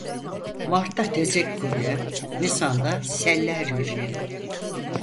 Martta tezek kuruya, nisanda seller yürüye.